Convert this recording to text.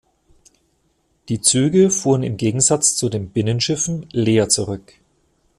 Die Züge fuhren im Gegensatz zu den Binnenschiffen leer zurück.